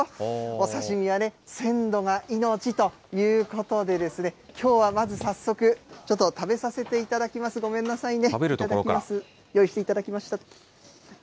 お刺身はね、鮮度が命ということで、きょうはまず早速、ちょっと食べさせていただきます、ごめんなさいね。